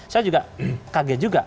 saya juga kaget juga